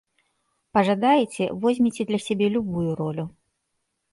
Пажадаеце, возьмеце для сябе любую ролю.